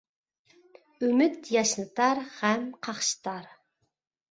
ئۈمىد ياشنىتار، غەم قاقشىتار.